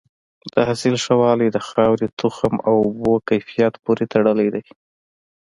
د حاصل ښه والی د خاورې، تخم او اوبو کیفیت پورې تړلی دی.